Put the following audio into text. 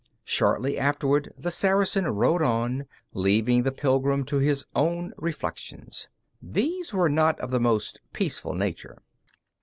Shortly afterward the Saracen rode on, leaving the pilgrim to his own reflections. These were not of the most peaceful nature.